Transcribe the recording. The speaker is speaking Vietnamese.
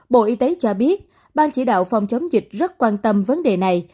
bộ y tế cho biết ban chỉ đạo phòng chống dịch rất quan tâm vấn đề này